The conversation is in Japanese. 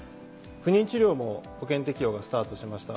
不妊治療も保険適用がスタートしました。